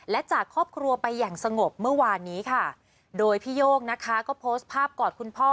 และจากครอบครัวไปอย่างสงบเมื่อวานนี้ค่ะโดยพี่โย่งนะคะก็โพสต์ภาพกอดคุณพ่อ